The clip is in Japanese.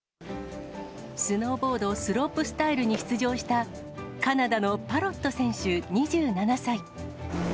スノーボードスロープスタイルに出場した、カナダのパロット選手２７歳。